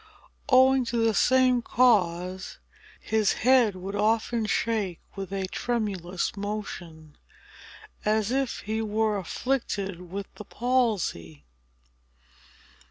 Owing to the same cause, his head would often shake with a tremulous motion, as if he were afflicted with the palsy.